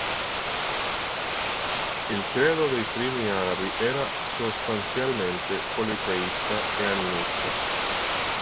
Il credo dei primi arabi era sostanzialmente politeista e animista.